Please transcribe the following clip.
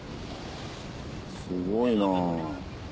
すごいな。